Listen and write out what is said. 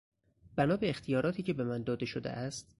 بنا به اختیاراتی که به من داده شده است...